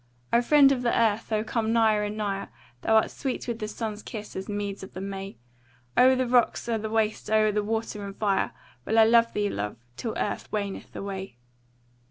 O friend of the earth, O come nigher and nigher, Thou art sweet with the sun's kiss as meads of the May, O'er the rocks of the waste, o'er the water and fire, Will I follow thee, love, till earth waneth away.